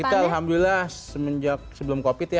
kita alhamdulillah semenjak sebelum covid ya